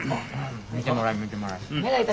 見てもらい見てもらい。